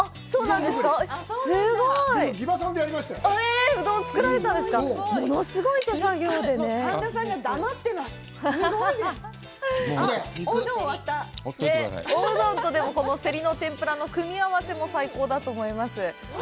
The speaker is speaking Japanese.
おうどんとこのセリの天ぷらの組み合わせも最高だと思います。